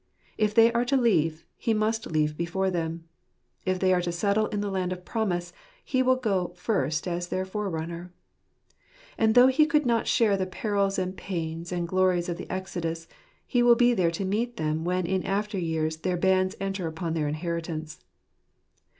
If they are to leave, he must leave before them. If they are to settle in the land of promise, he will go first as their forerunner. And though he could not share the perils and pains and glories of the exodus, he will be there to meet them when in after years their bands enter upon their inheritance.